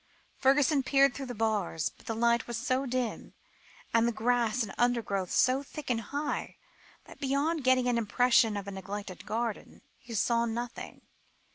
Fergusson peered through the bars, but the light was so dim, and the grass and undergrowth so thick and high, that beyond getting an impression of a neglected garden, he saw nothing.